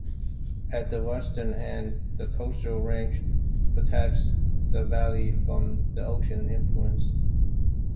At the western end, the coastal range protects the valley from the ocean influence.